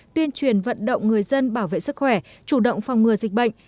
tuyên truyền vận động người dân bảo vệ sức khỏe chủ động phòng ngừa dịch bệnh